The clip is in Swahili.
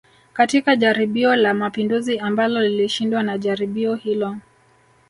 Katika jaribio la mapinduzi ambalo lilishindwa na jaribio hilo